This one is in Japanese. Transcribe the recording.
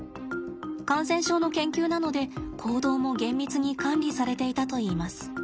感染症の研究なので行動も厳密に管理されていたといいます。